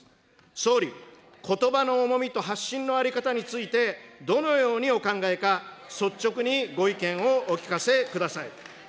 総理、ことばの重みと発信の在り方について、どのようにお考えか、率直にご意見をお聞かせください。